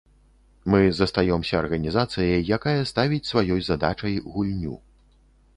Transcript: Мы застаёмся арганізацыяй, якая ставіць сваёй задачай гульню.